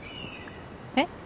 えっ？